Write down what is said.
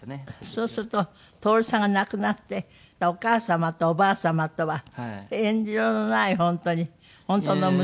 そうすると徹さんが亡くなってお母様とおばあ様とは遠慮のない本当に本当の娘と母。